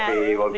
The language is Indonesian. di wongkori ya